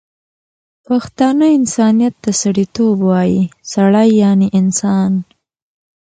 پښتانه انسانیت ته سړيتوب وايي، سړی یعنی انسان